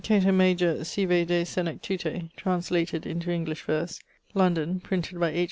Cato Major sive De Senectute, translated into English verse, London, printed by H.